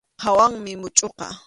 Kunkap hawanmi muchʼuqa.